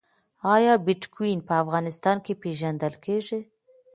آیا بټکوین په افغانستان کې پیژندل کیږي؟